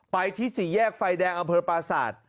ไปที่ศรีแยกไฟแดงอำเภพภาษา